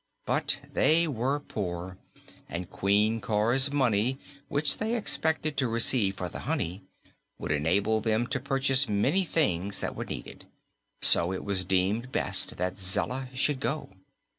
But they were poor, and Queen Cor's money, which they expected to receive for the honey, would enable them to purchase many things that were needed; so it was deemed best that Zella should go.